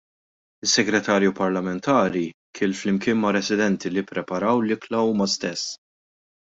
Is-Segretarju Parlamentari kiel flimkien mar-residenti li ppreparaw l-ikla huma stess.